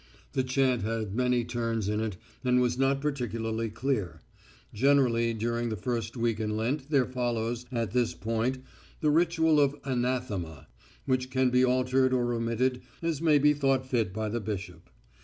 The chant had many turns in it, and was not particularly clear. Generally during the first week in Lent there follows, at this point, the ritual of anathema, which can be altered or omitted as may be thought fit by the bishop.